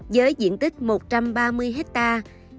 giới diện tích một trăm ba mươi hectare